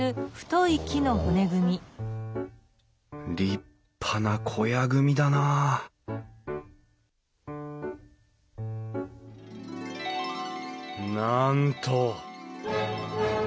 立派な小屋組みだななんと！